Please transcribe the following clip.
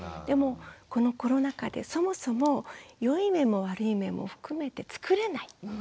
でもこのコロナ禍でそもそも良い面も悪い面も含めてつくれない。